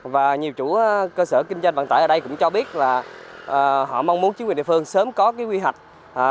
và nhiều chủ cơ sở kinh doanh vận tải ở đây cũng cho biết là họ mong muốn chính quyền địa phương sớm có cái quy hoạch